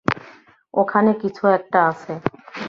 ওখানে কিছু একটা আছে।